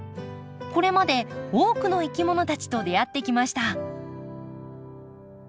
これまで多くのいきものたちと出会ってきました。